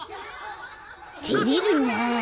てれるなあ。